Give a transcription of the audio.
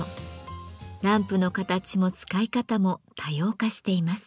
ランプの形も使い方も多様化しています。